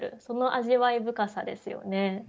その味わい深さですよね。